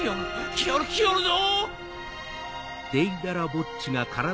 来おる来おるぞ！